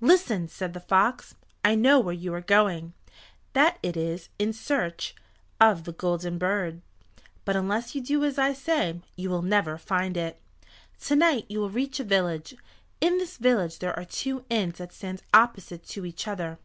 "Listen!" said the fox. "I know where you are going, that it is in search of the Golden Bird, but unless you do as I say you will never find it. To night you will reach a village. In this village there are two inns that stand opposite to each other.